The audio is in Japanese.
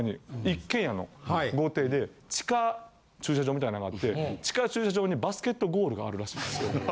一軒家の豪邸で地下駐車場みたいなんがあって地下駐車場にバスケットゴールがあるらしいんですよ。